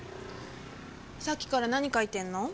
さっきから何書いてんの？